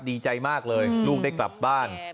ดีใจมากเลยลูกได้กลับบ้าน